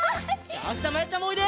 よしまやちゃんもおいで！